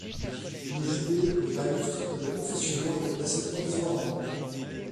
Le jubé, le balustre, et les confessionnaux, étaient placés provisoirement.